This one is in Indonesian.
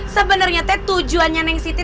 sebenarnya te tujuannya neng siti